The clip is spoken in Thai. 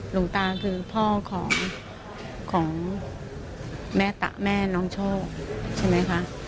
หลวงตาคือพ่อของแม่ตะแม่น้องโชคใช่ไหมคะ